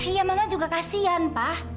iya mama juga kasihan pa